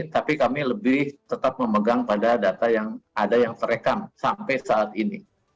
tapi kami lebih tetap memegang pada data yang ada yang terekam sampai saat ini